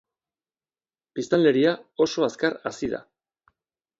Biztanleria oso azkar hazi da.